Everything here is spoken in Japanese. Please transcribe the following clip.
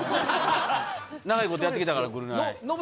長いことやってきたから、ぐるナイ。